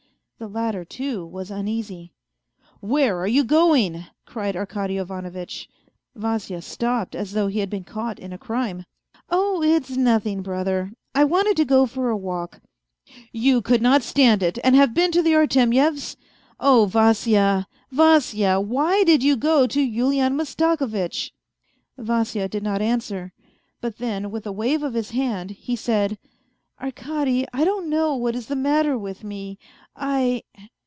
The latter, too, was uneasy. " Where are you going 1 " cried Arkady Ivanovitch. Vasya stopped as though he had been caught in a crime. " Oh, it's nothing, brother, I wanted to go for a walk." " You could not stand it, and have been to the Artemyevs ? Oh, Vasya, Vasya ! Why did you go to Yulian Mastakovitch ?" Vasya did not answer, but then with a wave of his hand, he said :" Arkady, I don't know what is Fthe matter with me. I.